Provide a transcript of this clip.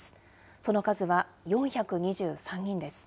その数は４２３人です。